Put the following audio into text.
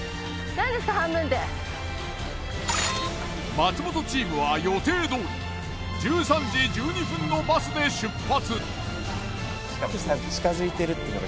松本チームは予定どおり１３時１２分のバスで出発。